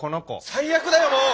最悪だよもう！